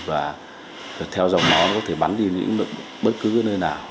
và theo dòng nó có thể bắn đi những bất cứ nơi nào